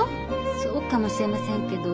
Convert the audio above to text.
そうかもしれませんけど。